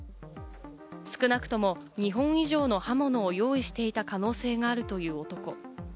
少なくとも２本以上の刃物を用意していた可能性があるという男。